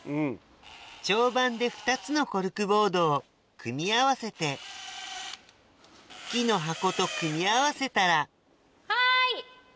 蝶番で２つのコルクボードを組み合わせて木の箱と組み合わせたらはい！